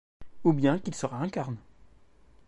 Ou bien qu'il se réincarne.